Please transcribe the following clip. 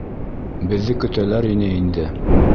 Беҙҙе көтәләр ине инде.